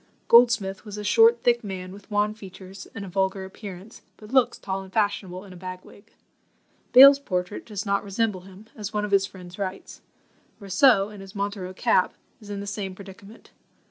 Goldsmith was a short thick man, with wan features and a vulgar appearance, but looks tall and fashionable in a bag wig. Bayle's portrait does not resemble him, as one of his friends writes. Rousseau, in his Montero cap, is in the same predicament.